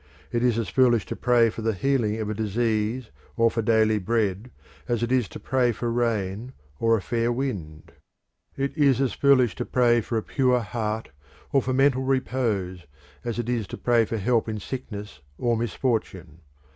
It is as foolish to pray for the healing of a disease or for daily bread as it is to pray for rain or a fair wind. It is as foolish to pray for a pure heart or for mental repose as it is to pray for help in sickness or misfortune.